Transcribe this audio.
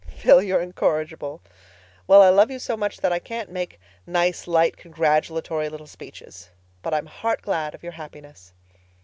"Phil, you're incorrigible. Well, I love you so much that I can't make nice, light, congratulatory little speeches. But I'm heart glad of your happiness."